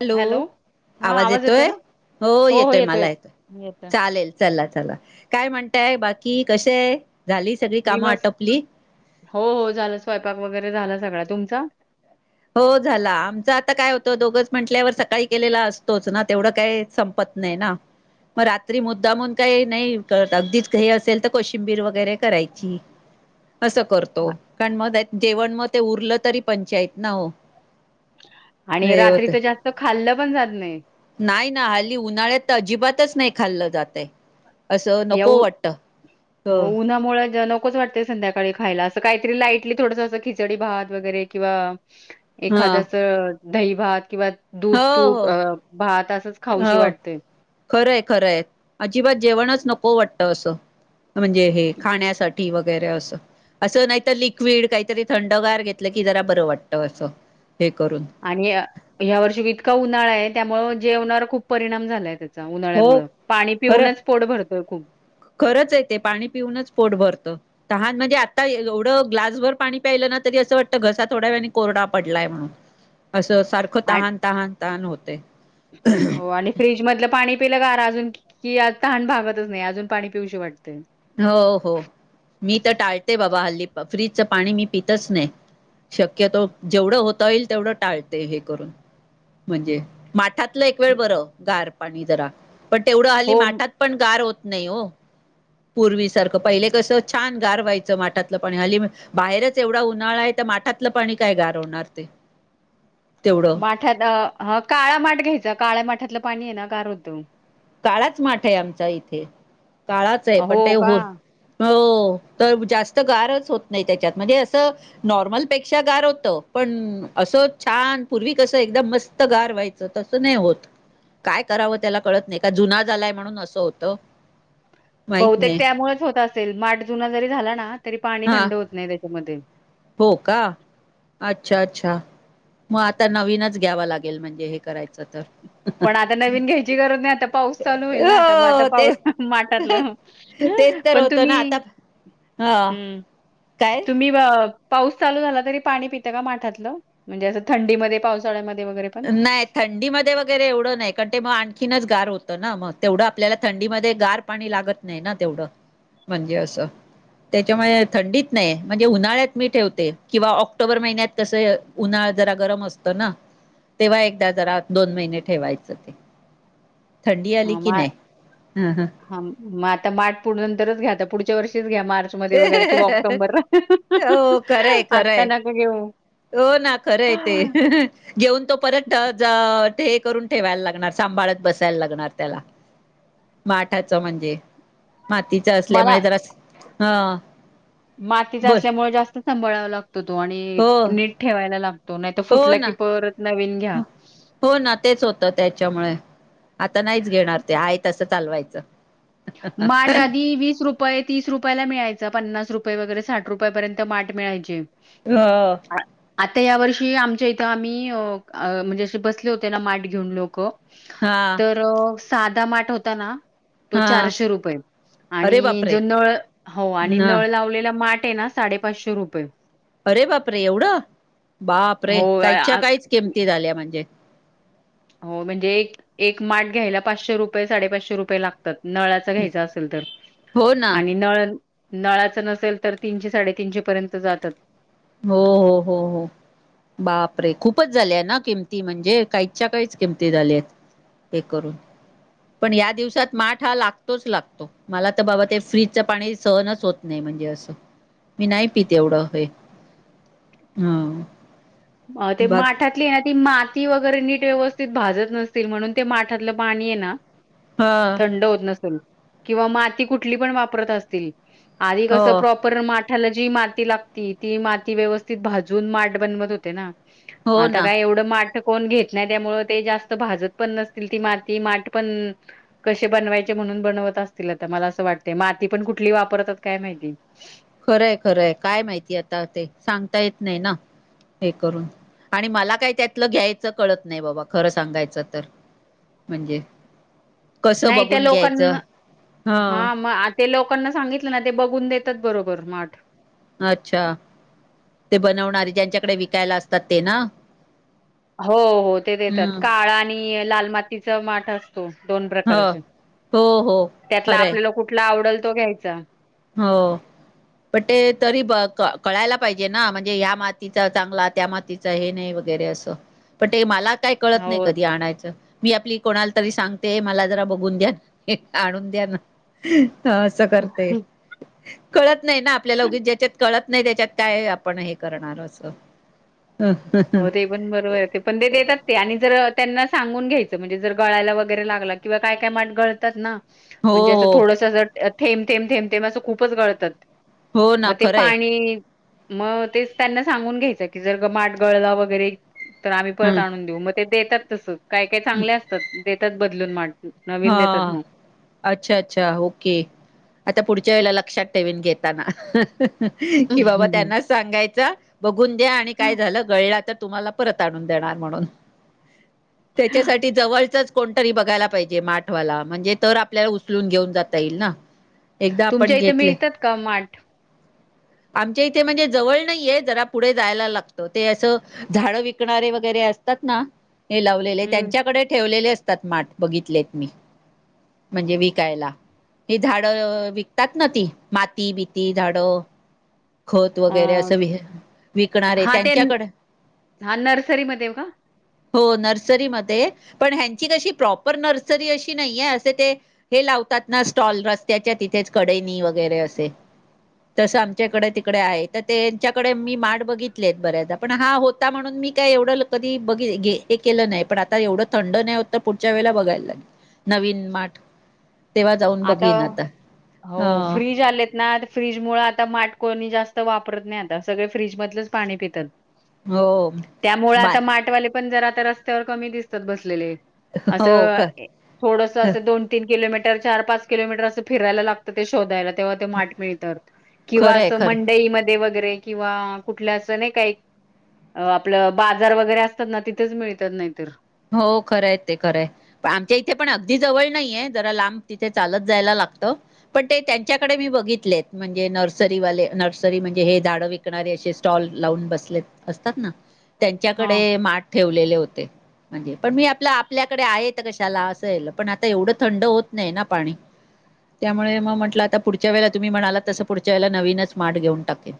Hello! आवाज येतोय हो येतोय? मला येतोय चालेल चला चला! काय म्हणताय बाकी कसे आहे? झाली सगळी मी कामं मस्त आटपली हो हो झालं स्वयंपाक वगैरे झाला सगळ, तुमचा? हो झाला आमच आता काय होतं दोघच म्हंटल्यावर सकाळी केलेला असतोच ना तेवढं काय संपत नाही ना. मग रात्री मुद्दामून काही नाही अगदीच हे असेल तर कोशिंबीर वगैरे करायची. असं करतो आ कारण मग जेवण मग ते उरलं तरी पंचायत ना हो. [inaudible] आणि रात्रीचं जास्त खाल्लं पण जात नाही. नाही ना हल्ली उन्हाळ्यात तर अजिबात च नाही खाल्लं जातय असं या नको उ वाटत. हो, उन्हामुळे ज नकोच वाटय संध्याळी खायला, अस काहीतरी लाईटली थोडस असं खिचडी भात वगैरे किंवा हा एखाद अस दहीभात किंवा दूध हो तूप हो अ भात असच खाऊशी हो वाटते. खरंय खरंय अजिबात जेवणच नको वाटत असं म्हणजे हे खाण्यासाठी वगैरे अस असं नाहीत लिक्विड काहीतरी थंडगार घेतलं की जरा बरं वाटत असं. हे करून आणि ह्या वर्षी इतका उन्हाळा आहे त्यामु जेवणावर खूप परिणाम झालाय त्याचा, उन्हाळ्या हो मुळ पाणी खरं पिऊनच पोट भरतोय खूप. खरंच येते पाणी पिऊनच पोट भरतं. तहान म्हणजे आता एवढं ग्लासभर पाणी प्यायलं ना तरी असं वाटतं घसा थोड्या व्याने कोरडा पडलाय म्हणून. असं सारखं आ तहान तहान तहान होतय. हो आणि फ्रीज मधलं पाणी आपिला कार अजून कि आ तहान भागतच नाही, अजून पाणी पिऊशी वाटत. हो हो मी तर टाळते बाबा हल्ली फ्रीजचं पाणी मी पितच नाही. शक्यतो जेवढं होता येईल तेवढं टाळते हे करून म्हणजे माठात ल एक वेळ बर गार पाणी जरा पण तेवढं हली हो माठात पण गार होत नाही हो. पूर्वीसारखं पहिले कसं छान गार व्हायचं माठातलं पाणी हली बाहेरच एवढा उन्हाळा आहे तर ठातलं पाणी काय गार होणार ते! तेवढं माठात. काळा माठ घ्यायचा. काळ्या माठातलं पाणी आहे ना गार होतय मग. काळाच माठ आहे आमचा इथे. काळाच आहे पण ते हो. हो. तर जास्त गारच होत नाही त्याच्यात. म्हणजे असं नॉर्मलपेक्षा गार होत पण अस. छान पूर्वी कसं एकदम मस्त गार व्हायचं. तसं नाही होत. काय करावं त्याला कळत नाही. का जुना झालाय म्हणून असं होतं. माहित बहुतेक नाही त्यामुळेच होत असेल मठ जुना जरी झाला ना. तरी पाणी हा थंड होत नाही त्याच्यामध्ये. हो का अच्छा-अच्छा मग आता नवीनच घ्यावा लागेल. लागेल म्हणजे हे करायचं तर. पण आता नवीन घ्यायची गरज नाही, आता पाऊस चालू होईल ना आता, मग आता हो पाऊस तेच माटातलं. तेच तर होतं ना आता. ह हम्म काय तुम्ही ब पाऊस चालू झाला तरी पाणी पितं का माठातलं. म्हणजे असं थंडीमध्ये पावसाळ्यामध्ये. वगैरे पण? नाही थंडीमध्ये वै वैरेवढ नाही. कारण ते आणखीनच गार होत ना मग. तेवढं आपल्याला थंडीमध्ये गार पाणी लागत नाही ना. म्हणजे असं. त्याच्यामुळे थंडीत नाही म्हणजे उन्हाळ्यात मी ठेवते किंवा ऑक्टोबर महिन्यात कस उन्हा जरा गरम असतं ना तेव्हा एकदा जरा दोन महिने ठेवायचं. थंडी आली की हा नाही ह ह हा मग आता माठ नंतरच घ्या आता पुढच्या वर्षी. घ्या मार्च मध्ये वगैरे किंवा ऑक्टोंबर हो खरंय खरंय आत्ता नको घेऊ. हो ना खरं आहे ते घेऊन तो परत जा ते करून ठेवायला लागणार सांभाळत बसायला लागणार त्याला माठाच म्हणजे मातीच मला असल्यामुळे जरासं हा मातीचा बोल असल्यामुळे जास्त सांभाळावा लागतो तो आणि हो नीट ठेवायला लागतो. तो नाही तर हो फुटला की ना परत नवीन घ्या हो ना तेच होत त्याच्यामुळे आता नाहीच घेणार ते आहेत. चालवायचं. माठ आधी वीस रुपये तीस रुपयाला मिळायच पन्नास रुपये वगैरे साठ रुपयापर्यंत माठ मिळायचे. [unintelligible] या वर्षी आमच्या इथं आम्ही म्हणजे असे बसले होते ना माठ घेऊन लोक हा तर साधा माठ होता ना तो हा चारशे रुपये आणि अरे बापरे जो नळ हो आणि ह नळ लावलेला माठ ना साडे पाचशे रुपये अरे बाप रे एवढं बाप रे हो आ काहीच्या आ काहीच किमती झाल्या म्हणजे हो म्हणजे एक एक माठ घ्यायला पाचशे रुपये साडेपाचशे रुपये लागतात. नळाचा घ्यायचा असेल तर हो ना आणि नळ नळाच नसेल तर तीनशे साडेतीनशे पर्यंत जातात. हो हो हो हो बापरे खूपच झाले ना किमती. म्हणजे काहीच्या-काहीच किमती झाल्यात. ते करून पण या दिवसात माठ हा लागतोच लागतो. मला तर बाबा ते फ्रीजच पाणी सहनच होत नाही, म्हणजे असं मी नाही पीत एवढं हे. हा. अ ते माठातली ना ती मा ती वगैरे नीट व्यवस्थित भाजत नसतील. म्हणून ते माठातलं पाणी आहे ना. ह थंड होत नसेल. किंवा माती कुठली पण वापरत असतील. आधी कसं हो प्रॉपर माठाला जी माती लागती, ती माती व्यवस्थित भाजून माठ बनवत होते. होते ना, हो आता ना काय एवढं माठ. कोण घेत नाही, त्यामुळे ते जास्त भाजत पण नसतील ती माती, माठ पण कसे बनवायचे. म्हणून बनवत असतील. आता मला अस वाटतं य माती पण कुठली वापरतात काय माहिती. खरंय खरंय काय माहिती आता ते सांगता येत नाही ना. हे करून आणि मला काही त्यातलं घ्यायच कळत नाही बाबा खरं सांगायचं तर. म्हणजे. कसं नाही त्या बघून घ्यायचं लोकांना ह हा मग ते लोकांना सांगितलं ना ते बघून देत बरोबर माठ अच्छा ते बनवणारे ज्यांच्याकडे विकायला असतात ते ना, हो हो ते देतात हम्म काळा आणि लालमातीचं माठ असं दोन ह प्रकारचे हो हो त्यातला खरंय आपल्याला कुठला आवडल तो घ्यायचा. हो प ते तरी का कळायला पाहिजे ना म्हणजे ह्या मातीचा चांगला त्या मातीचा हे नाही वगैरे असं पण ते मला काही कळत नाही हो कधी आणायचं मी आपली कोणाला तरी सांगते मला जरा बघून द्या आणून द्या ना ह असं करते कळत नाही ना आपल्याला उगी ज्याच्यात कळत नाही त्याच्यात काय आपण हे करणार असं हो ते पण बरोबर आहे ते पण ते देतात ते आणि जर त्यांना सांगून घ्यायचं म्हणजे जर गळायला वगैरे लागला किंवा काय काय माट गळतात ना म्हणजे असं हो थोडस थेंब थेम थेब थेम असं खूपच गळतात हो ना मग ते खरंय पाणी मग ते त्यांना सांगून घ्यायचं कि जर ग गळला वगैरे तर आम्ही परत ह आणून देऊ मग ते देतात तसं काय काय चांगले असतात देतात बदलून माठ नवीन हा देतात मग. अच्छा अच्छा ओके आता पुढच्या वेळेला ल लक्षात ठेवेन घेताना कि बाबा त्यांनाच सांगायच बघून द्या आणि काय झालं गळलं तर तुम्हाला परत आणून देणार म्हणून त्याच्यासाठी जवळचच कोणतरी बघायला पाहिजे ते माठवाला म्हणजे तर आपल्याला उचलून घेऊन जात येईल ना एकदा आपण तुमच्या इथे घेतले मिळतात का माठ? आमच्या इथे म्हणजे जवळ नाहीय जरा पुढे जायला लागतं ते असं झाड विकणारे वगैरे ते असतात ना हे लावलेले हम्म त्यांच्याकडे ठेवलेले असतात माठ बघितले मी म्हणजे विकायला हे झाडं विकतात ना ती माती बिती झाडं खत वगैरे अ असं विकणारे हा ते त्यांच्याकडे हा नर्सरीमध्ये का. हो नर्सरीमध्ये पण ह्यांची कशी प्रॉपर नर्सरी अशी नाही आहे असे ते ला लावतात ना स्टॉल रस्त्याच्या तिथेच कडेनी वगैरे असे तसं च्याकडे तिकडे आहे तर त्यांच्याकडे मी माठ बघितलेत बऱ्याचदा पण हा होता म्हणून मी काय एवढं ल कधी बघ केलं नाही पण आता एवढं थंड नाही होत तर पुढच्या वेळेला बघायला लागेल. नवीन माठ. तेव्हा जाऊन आता बघीन हो ह फ्रीज आलेत ना फ्रीज मुळे आता माठ कोणी जास्त वापरत नाही आता सगळे फ्रीजमधलंच पाणी पितात हो त्यामुळे बा आता माटवाले पण जरा तर रस्त्यावर कमी दिसतात बसलेले अस हो ख थोडसं असं दोन तीन किलो चार पाच किलोमीटर असं फिरायला लागतं ते शोधायला. तेव्हा ते माठ मिळतात किंवा खरंय असं खरंय मंडई मध्ये वैगरे वरे किंवा कुठल्या असं नाही काही अ आपलं बाजार वगैरे असतात ना तिथेच मिळतात नाहीतर हो खरंय ते खरंय पण आमच्या इथे पण अगदी जवळ नाहीये जरा लांब तिथे चालत जायला ला ते त्यांच्याकडे मी बघितलेत म्हणजे नर्सरी वाले नर्सरी म्हणजे हे झाड विकणारे असे स्टॉल लावून बसलेले असतात हा त्यांच्याकडे माठ ठेवलेले होते म्हणजे पण मी आप आपल्याकडे आहे कशाला असंल पण आता एवढं थंड होत नाही ना पाणी त्यामुळे मग म्हटलं आता पुढच्या वेळेला तुम्ही म्हणाला तसं पुढच्या वेळेला नवीनच माठ घेऊन टाकेन.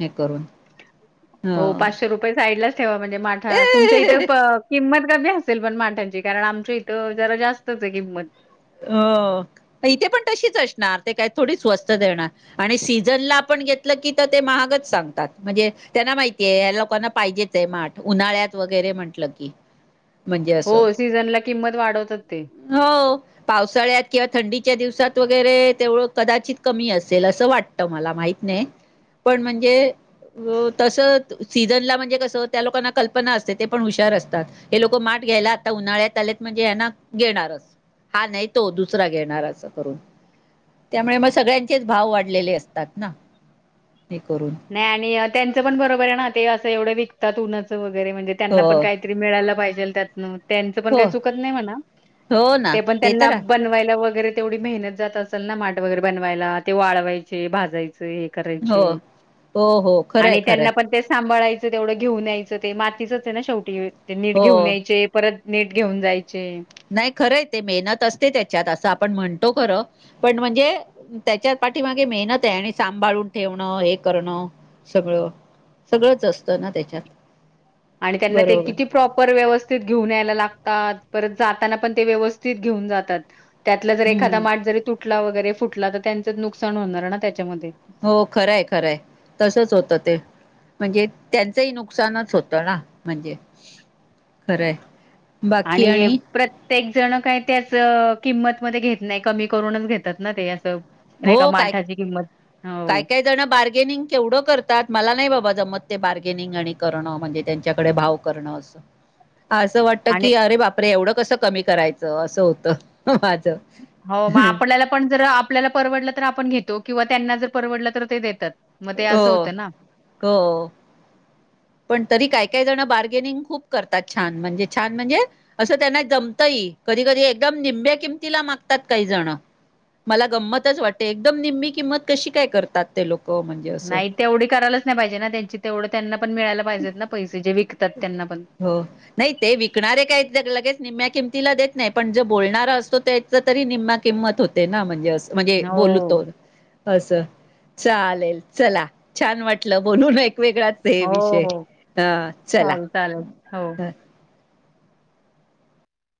हे करून हो ह पाचशे रुपये साईडलाच ठेवा म्हणजे माठा तुमच्या इथं किंमत कमी असेल पण माठ्यांची कारण आमच्या इथं जरा जास्तच आहे किंमत अ इथे पण तशीच असणार ते काय थोडीच स्वस्त देणार आणि सीझनला पण घ की ते महागच सांगतात म्हणजे त्यांना माहितीय लोकांना पाहिजेच माठ उन्हाळ्यात वगैरे म्हंटलं की म्हणजे अस हो, सीझनला किंमत वाढवतात ते. हो उन्हाळ्यात किंवा थंडीच्या दिवसात वगैरे तेव्हा कदाचित कमी असेल असं वाटतं मला माहित नाही पण म्हणजे तस सीझनला म्हणजे कस त्या लोकांना कल्पना असते ते पण हुशार असतात हे लोक माठ घ्यायला आता उन्हाळ्यात आलेत म्हणजे ह ना घेणारच हा नाही तो दुसरा घेणार असं करून त्यामुळे मग सगळ्यांचेच भाव वाढलेले असतात ना हे करून नाही आणि त्यांचं पण बरोबर आहे ना ते असं एवढं विकतात उनचंर वगैरे म्हणजे हो त्यांना पण काहीतरी मिळायला पाहिजे त्यातन त्यांचं पण हो काही चुकत नाही म्हणा हो ना ते पण तर त्यांना बनवायला वगैरे तेवढी मेहनत जात असेल ना माट वगैरे बनवायला ते वाळवायचे भाजायचे हे आहे हो करायचे हो हो खरंय आणि खरंय त्यांना पण ते सांभाळायचं तेवढं घेऊन यायचं ते मातीचच आहे ना शेवटी ते नीट हो घेऊन यायचे परत नीट घेऊन जायचे नाही खरंय ते मेहनत असते त्याच्यात असं आपण म्हणो तो खरं पण म्हणजे त्याच्या पाठी मागे मेहनत आहे आणि सांभाळून ठेवण हे करणं सगळं सगळंच असतं ना त्याच्यात आणि त्यांना ते बरोबर किती प्रॉपर व्यवस्थित घेऊन यायला लागतात परत जाताना पण ते व्यवस्थित घेऊन जातात त्यातला जर एखादा हम्म माठ जरी तुटला वगैरे फुटला तर त्यांच नुकसान होणार ना त्याच्यामध्ये हो खरंय खरंय तसच होतं ते म्हणजे त्यांचंही नुकसानच होत ना म्हणजे खरंय आणि प्रत्येक ण काही त्याच किंमत म घेत नाही कमी करूनच घेतात ना ते असं नाही का हो काय माठाची किंमत काय हो काय जण बार्गेनिंग केवढं करतात मला नाही बाबा जमत ते बार्गेनिंग आणि करणं म्हणजे त्यांच्याकडे भाव करणं असं असं वाटत आणि की अरे बापरे एवढं कसं कमी करायचं असं होतं हो मग आपल्याला पण जर आपल्याला परवडलं तर आपण घेतो किंवा त्यांना जर परवडलं तर ते देतात मग ते हो असं होतं ना हो पण तरी काय ते बार्गेनिंग करतात छान म्हणजे त्यांना जमतही निंब्या किमतीला मागतात काही जण मला गंमतच वाटते एकदम निम्मी किंमत कशी काय करतात ते लोक म्हणजे असं नाही तेवढी करायलाच नाही पाहिजे ना त्यांची तेवढं त्यांना पण मिळायला पाहिजेत ना पैसे जे विक हो नाही ते विकणारे काय लगेच नाही निम्म्या किमतीला देत नाही पण ज बोलणारा असो त्या तरी निम्म्या किंमत होते ना म्हणजे म्हणजे बोल हो तो असं चालेल चला छान वाटलं बोलून एक वेगळाच हे विषय ह चाल चालेल हो